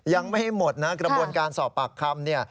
ยังไม่หมดนะกระบวนการสอบปากคำ